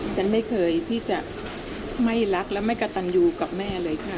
ฉันไม่เคยที่จะไม่รักและไม่กระตันยูกับแม่เลยค่ะ